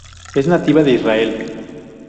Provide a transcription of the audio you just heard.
Es nativa de Israel.